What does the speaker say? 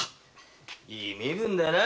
いい身分だな。